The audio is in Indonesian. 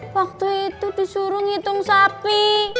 waktu itu disuruh ngitung sapi